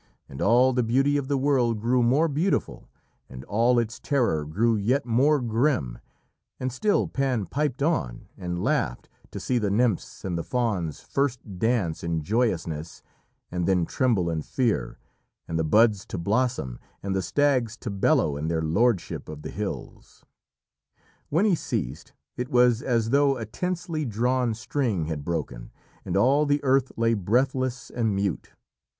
And all the beauty of the world grew more beautiful, and all its terror grew yet more grim, and still Pan piped on, and laughed to see the nymphs and the fauns first dance in joyousness and then tremble in fear, and the buds to blossom, and the stags to bellow in their lordship of the hills. When he ceased, it was as though a tensely drawn string had broken, and all the earth lay breathless and mute.